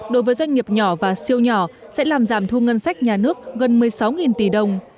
đối với doanh nghiệp nhỏ và siêu nhỏ sẽ làm giảm thu ngân sách nhà nước gần một mươi sáu tỷ đồng